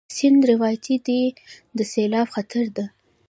سيند راوتی دی، د سېلاب خطره ده